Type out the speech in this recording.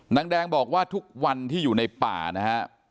นางแดงบอกว่าทุกวันที่อยู่ในป่านะฮะ